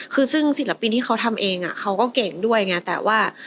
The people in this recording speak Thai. คือซึ่งศิลปินที่เขาทำเองเขาก็เก่งด้วยไงแต่ว่า